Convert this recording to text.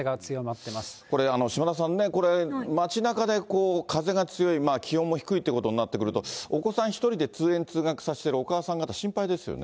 これ、島田さんね、街なかで風が強い、気温も低いということになってくると、お子さん１人で通勤・通学させてるお母さん方、心配ですよね。